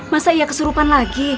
masa ia keserupan lagi